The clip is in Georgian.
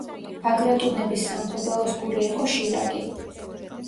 ბაგრატუნების სამფლობელოს გული იყო შირაკი.